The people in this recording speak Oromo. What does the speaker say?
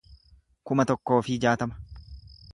kuma tokkoo fi jaatama